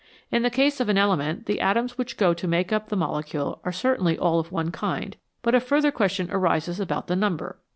In the case of an element the atoms which go to make up the molecule are certainly all of one kind, but a further question arises about the number.